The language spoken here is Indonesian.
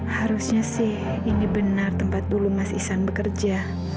harusnya sih ini benar tempat dulu mas isan bekerja